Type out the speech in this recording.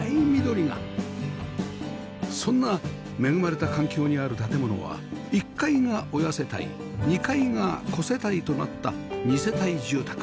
そんな恵まれた環境にある建物は１階が親世帯２階が子世帯となった二世帯住宅